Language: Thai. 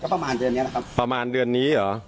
ประมาณเดือนนี้แหละครับประมาณเดือนนี้เหรอ